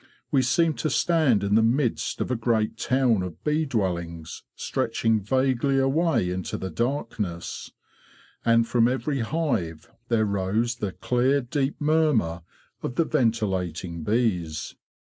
We seemed to stand in the midst of a great town of bee dwellings, stretching vaguely away into the darkness. And from every hive there rose the clear deep murmur of the ventilating bees.